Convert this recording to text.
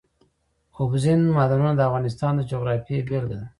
اوبزین معدنونه د افغانستان د جغرافیې بېلګه ده.